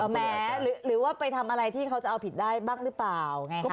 แม้หรือว่าไปทำอะไรที่เขาจะเอาผิดได้บ้างหรือเปล่า